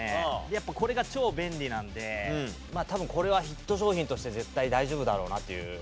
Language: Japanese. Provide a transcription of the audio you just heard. やっぱこれが超便利なんで多分これはヒット商品として絶対大丈夫だろうなという。